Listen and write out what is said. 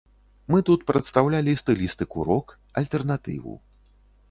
Мы тут прадстаўлялі стылістыку рок, альтэрнатыву.